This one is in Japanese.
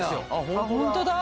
あっホントだ。